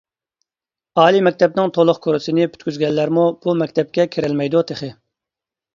ئالىي مەكتەپنىڭ تولۇق كۇرسىنى پۈتكۈزگەنلەرمۇ بۇ مەكتەپكە كىرەلمەيدۇ تېخى!